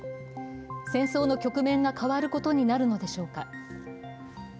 戦争の局面が変わることになるのでしょうか。